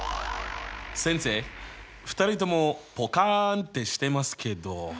先生２人ともポカンってしてますけど。